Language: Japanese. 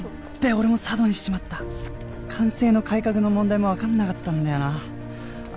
俺も佐渡にしちまった寛政の改革の問題も分かんなかったんだよなあ